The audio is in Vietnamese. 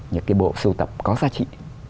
những cái bộ siêu tập có giá trị